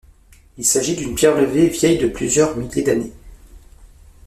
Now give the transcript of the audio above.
Il s'agit d'une pierre levée vieille de plusieurs milliers d'années.